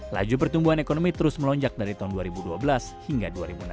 laju pertumbuhan ekonomi terus melonjak dari tahun dua ribu dua belas hingga dua ribu enam belas